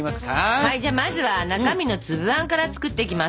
はいじゃあまずは中身の粒あんから作っていきます。